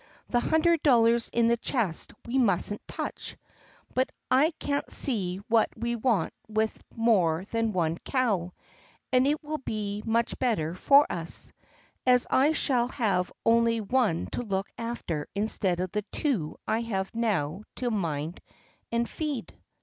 The hundred dollars in the chest we mustn't touch, but I can't see what we want with more than one cow, and it will be much better for us, as I shall have only one to look after instead of the two I have now to mind and feed."